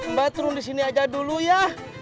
mbak turun disini aja dulu ya